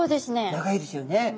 長いですよね。